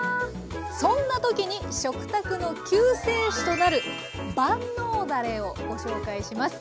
そんな時に食卓の救世主となる万能だれをご紹介します。